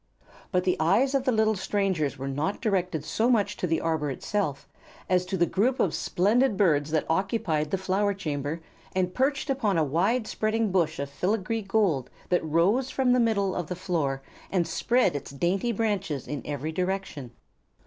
But the eyes of the little strangers were not directed so much to the arbor itself as to the group of splendid birds that occupied the flower chamber and perched upon a wide spreading bush of filigree gold that rose from the middle of the floor and spread its dainty branches in every direction.